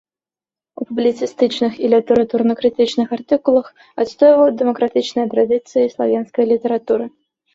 У публіцыстычных і літаратурна-крытычных артыкулах адстойваў дэмакратычныя традыцыі славенскай літаратуры.